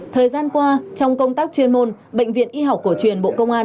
thời gian qua trong công tác chuyên môn bệnh viện y học cổ truyền bộ công an